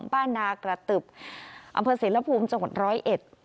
บ้านนากระตึบอำเภอเสรภูมิจังหวัดร้อยเอ็ด